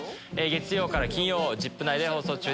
月曜から金曜『ＺＩＰ！』内で放送中